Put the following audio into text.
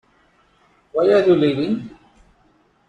Why are you leaving?